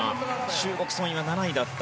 中国、ソン・イは７位だった。